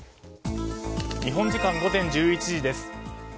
日本時間午前１１時です。